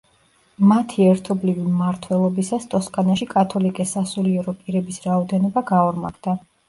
მათი ერთობლივი მმართველობისას ტოსკანაში კათოლიკე სასულიერო პირების რაოდენობა გაორმაგდა.